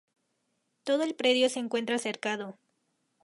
Todo el predio se encuentra cercado.